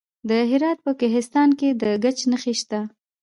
د هرات په کهسان کې د ګچ نښې شته.